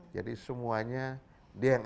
jadi semuanya dianggarannya